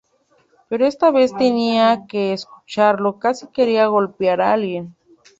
Pero esta vez tenía que escucharlo, casi quería golpear a alguien.